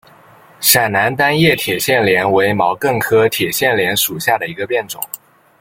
陕南单叶铁线莲为毛茛科铁线莲属下的一个变种。